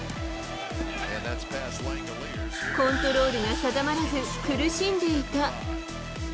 コントロールが定まらず、苦しんでいた。